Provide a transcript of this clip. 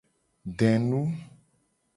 Denu.